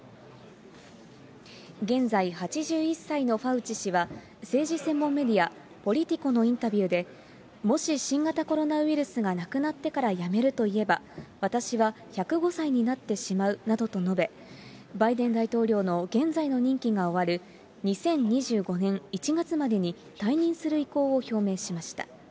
現在８１歳のファウチ氏は、政治専門メディア、ポリティコのインタビューで、もし新型コロナウイルスがなくなってから辞めるといえば、私は１０５歳になってしまうなどと述べ、バイデン大統領の現在の任期が終わる２０２５年１月までに退任する意向を表明しました。